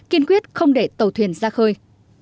kiên quyết không để tàu thuyền ra khơi